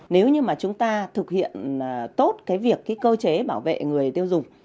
nếu như mà chúng ta thực hiện tốt cái việc cái cơ chế bảo vệ người tiêu dùng